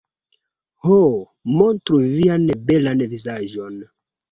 Ho... montru vian belan vizaĝon